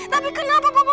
tapi kenapa papa